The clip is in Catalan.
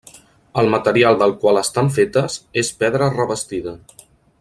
El material del qual estan fetes és pedra revestida.